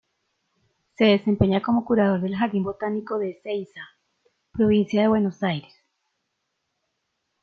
Se desempeña como curador del Jardín Botánico de Ezeiza, provincia de Buenos Aires.